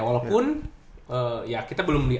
walaupun ya kita belum